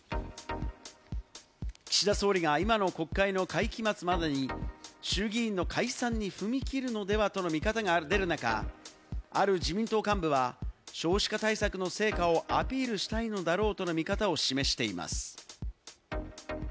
岸田総理が今の国会の会期末までに衆議院の解散に踏み切るのではとの見方が出る中、ある自民党幹部は少子化対策の成果をアピールしたいのだろうとの見方を示しています。